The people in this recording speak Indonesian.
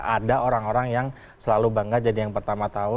ada orang orang yang selalu bangga jadi yang pertama tahu